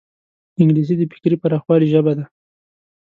انګلیسي د فکري پراخوالي ژبه ده